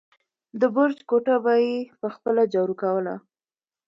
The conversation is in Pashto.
د برج کوټه به يې په خپله جارو کوله.